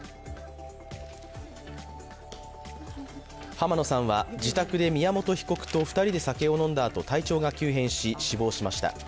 濱野さんは自宅で宮本被告と２人で酒を飲んだあと体調が急変し、死亡しました。